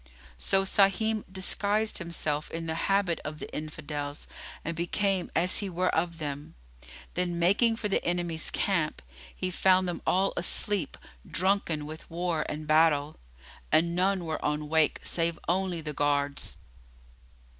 So Sahim disguised himself in the habit of the Infidels and became as he were of them; then, making for the enemy's camp, he found them all asleep, drunken with war and battle, and none were on wake save only the guards.